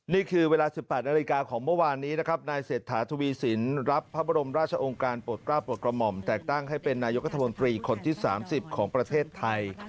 นี่คือเวลา๑๘นาฬิกาของเมื่อวานนี้นะครับนายเศรษฐาทวีสินรับพระบรมราชองค์การโปรดกล้าปลดกระหม่อมแต่งตั้งให้เป็นนายกัธมนตรีคนที่๓๐ของประเทศไทย